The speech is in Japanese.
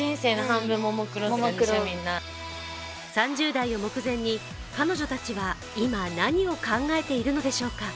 ３０代を目前に、彼女たちは今、何を考えているのでしょうか。